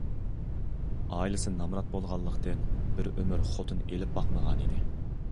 ئائىلىسى نامرات بولغانلىقتىن، بىر ئۆمۈر خوتۇن ئېلىپ باقمىغان ئىدى.